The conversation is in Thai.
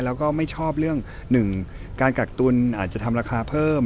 แล้วก็ไม่ชอบเรื่องหนึ่งการกักตุลอาจจะทำราคาเพิ่ม